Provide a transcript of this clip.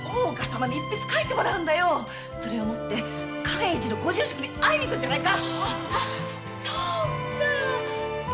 それを持って寛永寺のご住職に会いに行くんじゃないか。